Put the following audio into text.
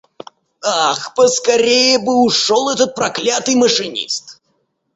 Ах, поскорее ушел бы этот проклятый машинист!